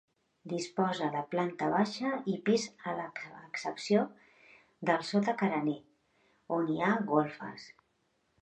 Disposa de planta baixa i pis a excepció del sota carener, on hi ha golfes.